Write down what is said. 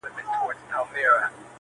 زړه دودومه زړه د حُسن و لمبو ته سپارم~